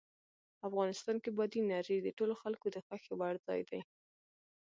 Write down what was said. افغانستان کې بادي انرژي د ټولو خلکو د خوښې وړ ځای دی.